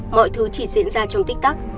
mọi thứ chỉ diễn ra trong tích tắc